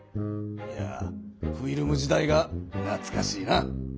いやフィルム時代がなつかしいな！